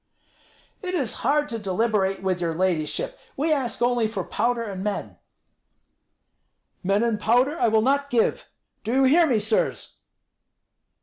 "It is hard to deliberate with your ladyship. We ask only for powder and men." "Men and powder I will not give. Do you hear me, sirs!"